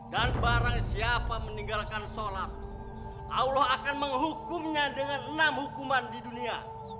dan barang siapa meninggalkan sholat allah akan menghukumnya dengan enam hukuman di dunia